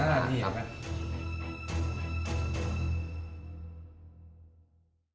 กระดาษดีครับ